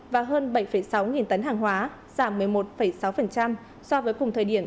và hơn bảy sáu nghìn tấn hàng hóa giảm một mươi một sáu so với cùng thời điểm